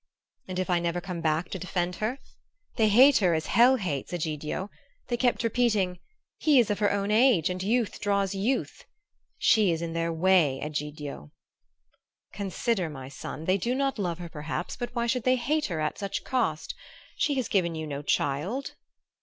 "And if I never come back to defend her? They hate her as hell hates, Egidio! They kept repeating, 'He is of her own age and youth draws youth .' She is in their way, Egidio!" "Consider, my son. They do not love her, perhaps; but why should they hate her at such cost? She has given you no child."